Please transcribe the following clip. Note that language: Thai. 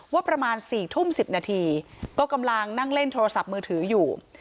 ประมาณ๔ทุ่ม๑๐นาทีก็กำลังนั่งเล่นโทรศัพท์มือถืออยู่